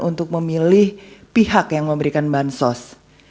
untuk memilih pihak yang memberikan bahan sos